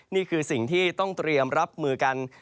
นี่คือสิ่งที่ต้องเตรียมรับมือกัน